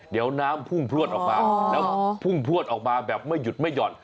เดี๋ยวน้ำพุ่งพลวดออกมาแบบไม่หยุดไม่หย่อน